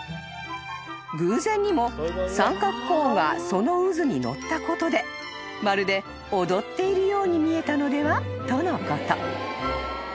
［偶然にも三角コーンがその渦にのったことでまるで踊っているように見えたのではとのこと］